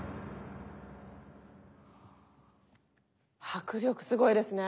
迫力すごいですね。